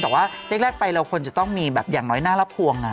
แต่ว่าเร็กไปเราจะต้องมีอย่างหน่อยหน้ารับภวง